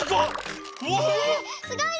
すごい！